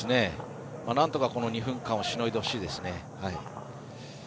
なんとかこの２分間をしのいでほしいですね。